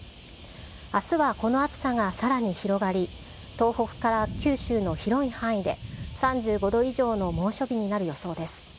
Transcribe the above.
あすはこの暑さがさらに広がり、東北から九州の広い範囲で、３５度以上の猛暑日になる予想です。